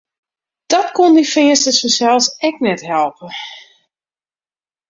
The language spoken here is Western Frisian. Dat koenen dy Feansters fansels ek net helpe.